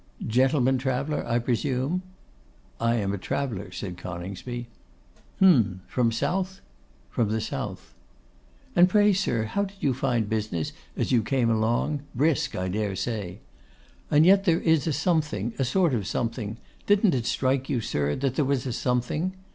'Gentleman traveller, I presume?' 'I am a traveller.' said Coningsby. 'Hem! From south?' 'From the south.' 'And pray, sir, how did you find business as you came along? Brisk, I dare say. And yet there is a something, a sort of a something; didn't it strike you, sir, there was a something?